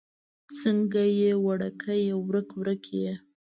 څنګه يې وړکيه؛ ورک ورک يې؟